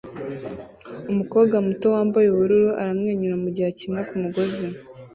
Umukobwa muto wambaye ubururu aramwenyura mugihe akina kumugozi